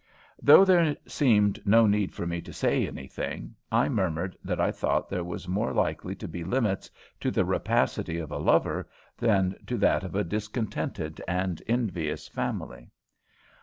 Though there seemed no need for me to say anything, I murmured that I thought there were more likely to be limits to the rapacity of a lover than to that of a discontented and envious family.